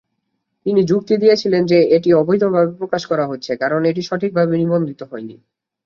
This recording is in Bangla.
তিনি যুক্তি দিয়েছিলেন যে, এটি অবৈধভাবে প্রকাশ করা হচ্ছে কারণ এটি সঠিকভাবে নিবন্ধিত হয়নি।